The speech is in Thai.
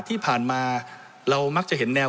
ที่ผ่านมาเรามักจะเห็นแนว